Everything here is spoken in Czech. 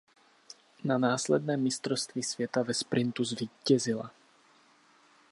Na následném Mistrovství světa ve sprintu zvítězila.